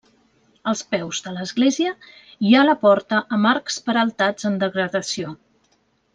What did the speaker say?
Als peus de l'església hi ha la porta amb arcs peraltats en degradació.